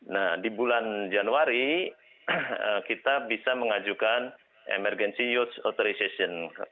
nah di bulan januari kita bisa mengajukan emergency use authorization